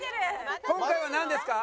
今回はなんですか？